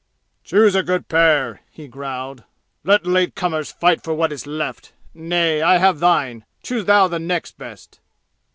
"Choose a good pair!" he growled. "Let late comers fight for what is left! Nay, I have thine! Choose thou the next best!"